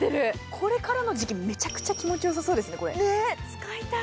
これからの時期もめちゃくちゃ気持ちよさそうですね、使いたい。